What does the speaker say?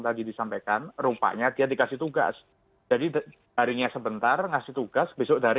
tadi disampaikan rupanya dia dikasih tugas jadi harinya sebentar ngasih tugas besok dari